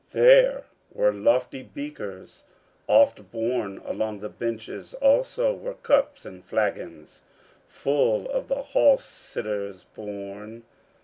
There were lofty beakers Oft borne along the benches, also were cups and flagons Full to the hall sitters borne.